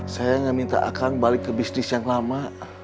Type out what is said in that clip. saya gak minta akan balik ke bisnis yang lama